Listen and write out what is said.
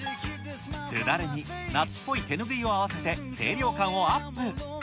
すだれに夏っぽい手拭いを合わせて清涼感をアップ。